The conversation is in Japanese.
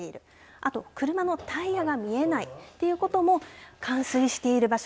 あと、車のタイヤが見えないということも冠水している場所